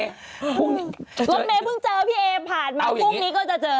รถเมย์เพิ่งเจอพี่เอผ่านมาพรุ่งนี้ก็จะเจอ